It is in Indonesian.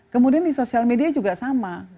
kemudian di sosial media juga sama